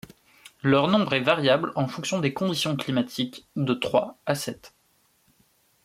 Leur nombre est variable en fonction des conditions climatiques, de trois à sept.